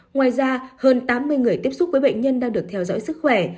ngoài ra hơn tám mươi người tiếp xúc với bệnh nhân đang được theo dõi sức khỏe